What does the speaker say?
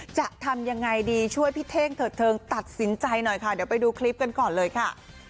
จะทำยังไงดีช่วยพี่เท่งเถิดเทิงตัดสินใจหน่อยค่ะเดี๋ยวไปดูคลิปกันก่อนเลยค่ะ